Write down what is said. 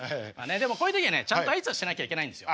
でもこういう時はねちゃんと挨拶しなきゃいけないんですよ。